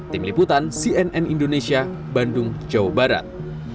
tim liputan cnn indonesia bandung jawa barat